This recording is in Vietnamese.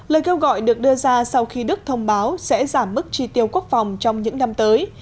lời kêu gọi được đưa ra sau khi đức thông báo sẽ giảm mức chi tiêu quốc phòng trong những năm tới